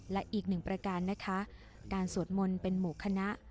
และอีกหนึ่งประการนะคะการสวดมนต์เป็นหมู่คณะ